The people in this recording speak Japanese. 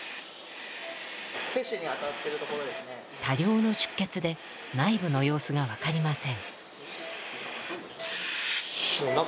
多量の出血で内部の様子が分かりません。